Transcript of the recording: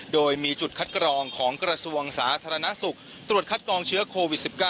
โดยมีจุดคัดกรองของกระทรวงสาธารณสุขตรวจคัดกรองเชื้อโควิด๑๙